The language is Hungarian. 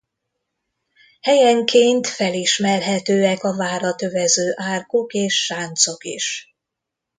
Helyenként felismerhetőek a várat övező árkok és sáncok is.